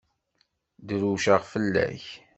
Drewceɣ fell-ak.